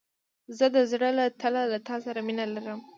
زه د زړه له تله له تا سره مينه لرم.